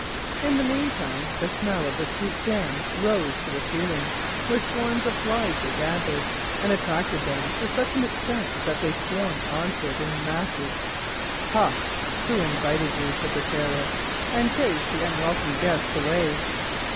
In the meantime the smell of the sweet jam rose to the ceiling, where swarms of flies were gathered, and attracted them to such an extent that they swarmed on to it in masses. "Ha! who invited you?" said the Tailor, and chased the unwelcome guests away.